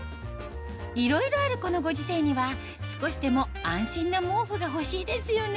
いろいろあるこのご時世には少しでも安心な毛布が欲しいですよね